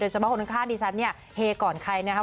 โดยเฉพาะคนข้างดีฉันเฮก่อนใครนะครับ